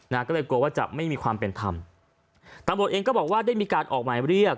นะก็เลยกลัวว่าจะไม่มีความเป็นธรรมตำรวจเองก็บอกว่าได้มีการออกหมายเรียก